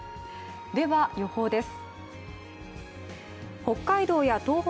では予報です。